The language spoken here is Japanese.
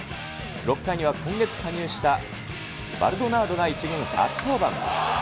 ６回には今月加入したバルドナードが１軍初登板。